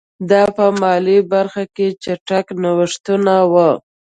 دا په مالي برخه کې چټک نوښتونه وو.